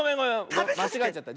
まちがえちゃった。